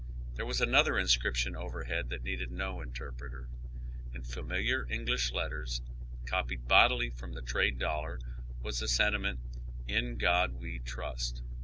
There was another inscription overhead that needed no interpreter. In familiar English letters, copied bodily from the trade dollar, was the sentiment :" In God ,v ^y. 100 HOW THE OTHER HALF J.IVES. we trust."